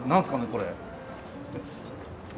これ。